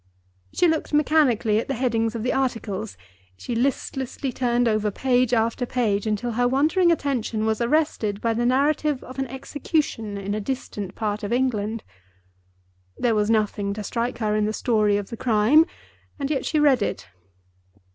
She looked mechanically at the headings of the articles; she listlessly turned over page after page, until her wandering attention was arrested by the narrative of an Execution in a distant part of England. There was nothing to strike her in the story of the crime, and yet she read it.